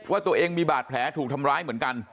ว่าตัวเองมีบาดแผลถูกทำร้ายเหมือนกัน